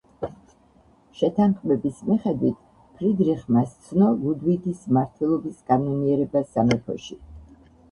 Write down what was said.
შეთანხმების მიხედვით ფრიდრიხმა სცნო ლუდვიგის მმართველობის კანონიერება სამეფოში.